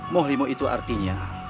mohlimu itu artinya